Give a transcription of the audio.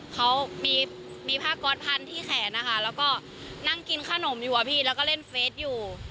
เขามีผ้าก๊อตพันที่แขนนะคะแล้วก็นั่งกินขนมอยู่อะพี่แล้วก็เล่นเฟสอยู่